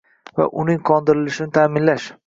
va uning qondirilishini ta’minlash;